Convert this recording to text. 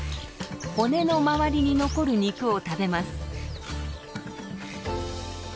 骨のまわりに残る肉を食べます。